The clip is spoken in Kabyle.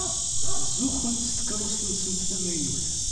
Zuxxent s tkeṛṛust-nsent tamaynut.